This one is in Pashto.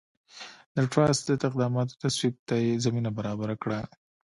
د ټراست ضد اقداماتو تصویب ته یې زمینه برابره کړه.